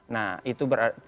nah itu berarti